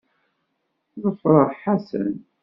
Ḍefreɣ Ḥasan.